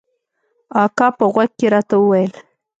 اکا په غوږ کښې راته وويل.